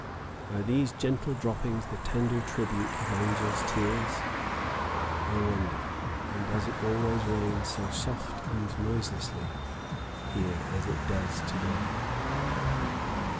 Are these gentle droppings the tender tribute of angels' tears. I wonder, and does it always rain so soft and noiselessly here as it does to day?